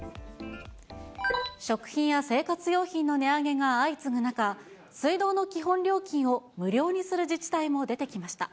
食品や生活用品の値上げが相次ぐ中、水道の基本料金を無料にする自治体も出てきました。